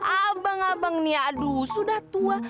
abang abang nih aduh sudah tua